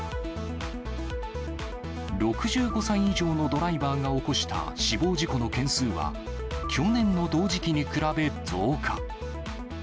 ６５歳以上のドライバーが起こした死亡事故の件数は、去年の同時期に比べ増加。